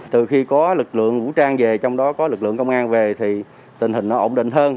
từ khi có lực lượng vũ trang về trong đó có lực lượng công an về thì tình hình nó ổn định hơn